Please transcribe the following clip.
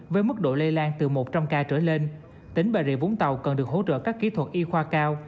với mức độ lây lan từ một trăm linh ca trở lên tỉnh bà rịa vũng tàu cần được hỗ trợ các kỹ thuật y khoa cao